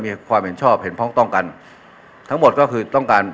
มีความเห็นชอบเห็นพ้องต้องกันทั้งหมดก็คือต้องการ